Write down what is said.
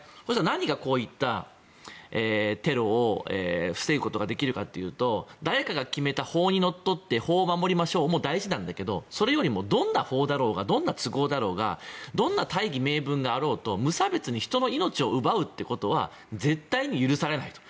何がこういったテロを防ぐことができるかというと誰かが決めた法にのっとって法を守りましょうも大事なんだけどもそれよりもどんな法だろうがどんな都合だろうがどんな大義名分があろうと無差別に人の命を奪うことは絶対に許されないと。